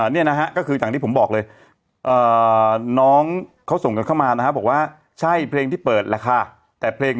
เนี่ยนะฮะก็คือจากที่ผมบอกเลย